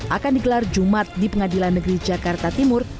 akan digelar jumat di pengadilan negeri jakarta timur